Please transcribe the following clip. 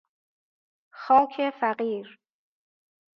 خاک فقیر